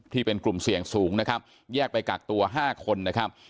ที่เป็นกลุ่มเสี่ยงสูงนะครับแยกไปกักตัว๕คนนะครับ